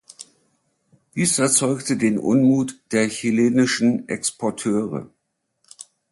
Dies erzeugte den Unmut der chilenischen Exporteure.